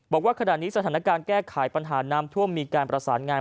บอกว่าขณะนี้สถานการณ์แก้ไขปัญหาน้ำท่วมมีการประสานงาน